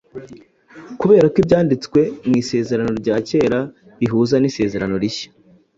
Kubera ko Ibyanditswe mu Isezerano rya Kera bihuza n’Isezerano Rishya